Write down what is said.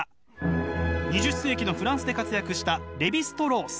２０世紀のフランスで活躍したレヴィ＝ストロース。